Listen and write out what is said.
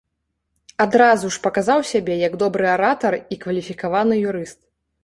Адразу ж паказаў сябе як добры аратар і кваліфікаваны юрыст.